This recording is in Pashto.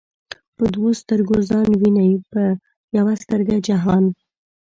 په دوو ستر گو ځان ويني په يوه سترگه جهان